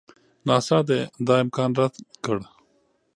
ناسا دا امکان رد کړ.